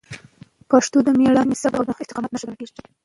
پښتو د میړانې، صبر او استقامت نښه ګڼل کېږي.